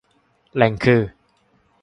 แหล่งคือ